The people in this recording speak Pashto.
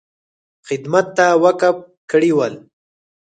خدمت ته وقف کړي ول.